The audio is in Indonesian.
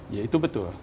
ya itu betul